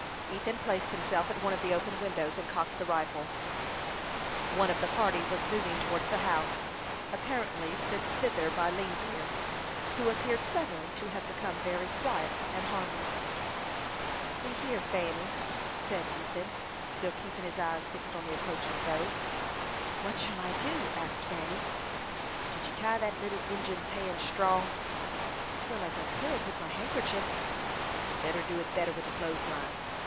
Ethan placed himself at one of the open windows, and cocked the rifle. One of the party was moving towards the house, apparently sent thither by Lean Bear, who appeared suddenly to have become very quiet and harmless. "See hyer, Fanny," said Ethan, still keeping his eye fixed on the approaching foe. "What shall I do?" asked Fanny. "Did you tie that little Injin's hands strong?" "As well as I could with my handkerchief." "Better do it better with the clothes line.